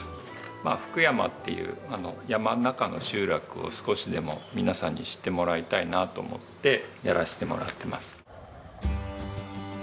まあ福山っていう山の中の集落を少しでも皆さんに知ってもらいたいなと思ってやらせてもらってます。